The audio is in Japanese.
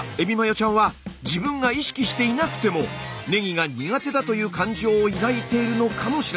ちゃんは自分が意識していなくてもねぎが苦手だという感情を抱いているのかもしれません。